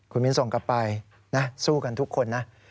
คุณมิ้นส่งกลับไปนะสู้กันทุกคนนะ